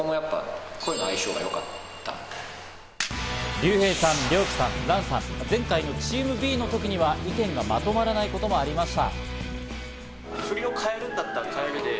リュウヘイさん、リョウキさん、ランさん、前回チームＢのときには意見がまとまらないこともありました。